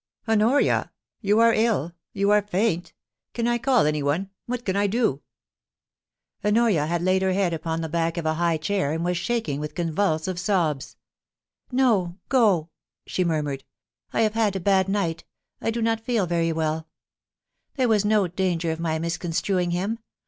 ... Honoria ! you are ill — you are faint ! Can I call anyone ?— what can I do ?* Honoria had laid her head upon the back of a high chair and was shaking with convulsive sobs. * No — go !' she murmured. * I have had a bad night ; I do not feel very well There was no danger of my miscon struing him.